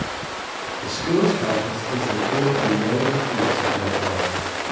The school's campus is located on the northern face of Mount Royal.